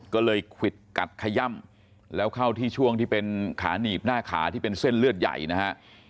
ก็เลยควิดกัดขย่ำแล้วเข้าที่ช่วงที่เป็นขาหนีบหน้าขาที่เป็นเส้นเลือดใหญ่นะฮะ